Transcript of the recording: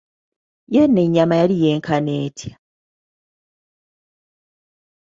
Yenno enyama yali yenkana etya!